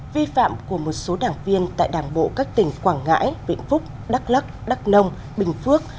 hai vi phạm của một số đảng viên tại đảng bộ các tỉnh quảng ngãi viện phúc đắk lắk đắk nông bình phước